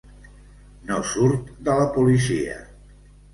No surt de la policia.